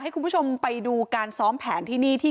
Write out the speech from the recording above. ให้คุณผู้ชมไปดูการซ้อมแผนที่นี่ที่